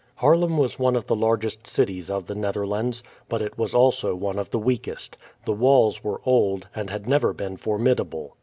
Haarlem was one of the largest cities of the Netherlands; but it was also one of the weakest. The walls were old, and had never been formidable.